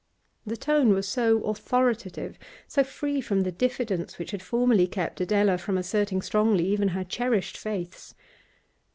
The tone was so authoritative, so free from the diffidence which had formerly kept Adela from asserting strongly even her cherished faiths.